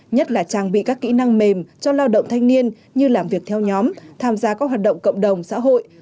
nhất là trang bị các kỹ năng mềm cho lao động thanh niên như làm việc theo nhóm tham gia các hoạt động cộng đồng xã hội